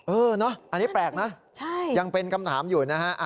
อันนี้แปลกนะยังเป็นคำถามอยู่นะฮะ